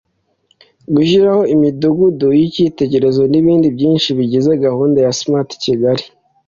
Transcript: gushyiraho imidugudu y’icyitegererezo n’ibindi byinshi bigize gahunda ya Smart Kigali